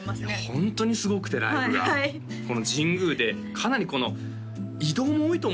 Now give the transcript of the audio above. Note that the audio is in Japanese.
ホントにすごくてライブがはいはい神宮でかなり移動も多いと思うんですよ